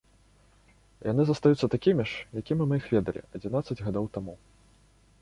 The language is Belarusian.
Яны застаюцца такімі ж, якімі мы іх ведалі адзінаццаць гадоў таму.